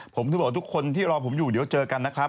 ผมถึงบอกทุกคนที่รอผมอยู่เดี๋ยวเจอกันนะครับ